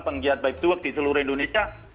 penggiat baik tuak di seluruh indonesia